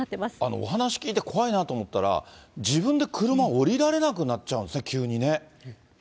今、お話聞いて怖いなと思ったら、自分で車降りられなくなっちゃうんですね、急にね。